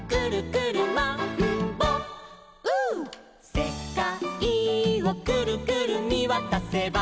「くるくるみわたせば」